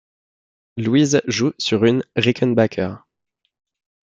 Louise joue sur une Rickenbacker.